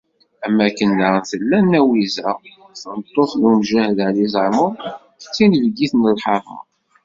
Am wakken daɣen i tella Nna Wiza, tameṭṭut n umjahed Ali Zamum, d tinebgit n lḥerma.